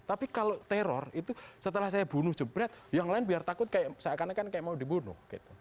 tapi kalau teror itu setelah saya bunuh jebret yang lain biar takut kayak seakan akan kayak mau dibunuh